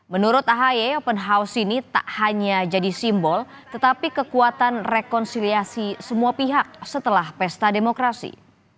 menurut ahy open house ini tak hanya jadi simbol tetapi kekuatan rekonsiliasi semua pihak setelah pesta demokrasi